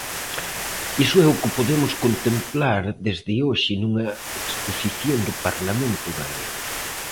Iso é que podemos contemplar desde hoxe nunha exposición do Parlamento galego.